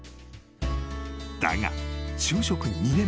［だが就職２年目］